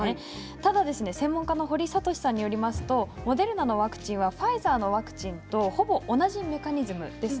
ただ専門家の堀賢さんによるとモデルナのワクチンはファイザーのワクチンとほぼ同じメカニズムです。